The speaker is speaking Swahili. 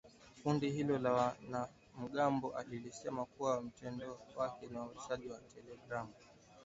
Kundi hilo la wanamgambo lilisema kwenye mtandao wake wa mawasiliano ya telegramu.